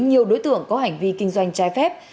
nhiều đối tượng có hành vi kinh doanh trái phép